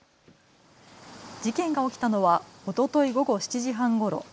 事件が起きたのはおととい午後７時半ごろ。